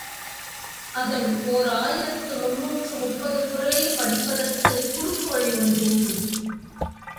அதன் ஓர் ஆயிரத்து முன்னூற்று முப்பது குறளையும் படிப்பதற்குக் குறுக்குவழி ஒன்று உண்டு.